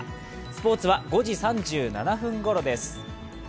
スポ−ツは５時３７分ごろです。